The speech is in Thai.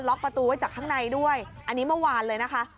็อกประตูไว้จากข้างในด้วยอันนี้เมื่อวานเลยนะคะ